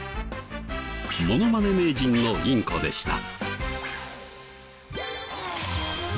モノマネ名人のインコでした。